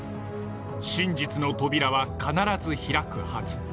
真実の扉は必ず開くはず。